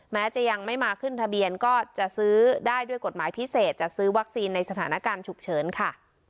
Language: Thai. แม้จะยังไม่มาขึ้นทะเบียนก็จะซื้อได้ด้วยกฎหมายพิเศษจัดซื้อวัคซีนในสถานการณ์ฉุกเฉินค่ะ